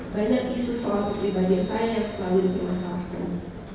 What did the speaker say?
banyak isu soal kepribadian saya yang selalu dipermasalahkan